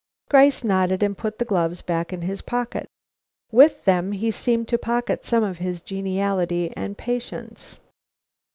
Mr. Gryce nodded, and put the gloves back in his pocket. With them he seemed to pocket some of his geniality and patience.